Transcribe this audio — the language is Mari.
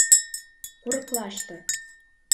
Курыклаште